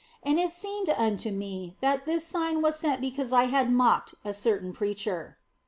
And it seemed unto me that this sign was sent because I had mocked at a certain preacher.